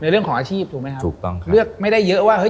เรื่องของอาชีพถูกไหมครับถูกต้องครับเลือกไม่ได้เยอะว่าเฮ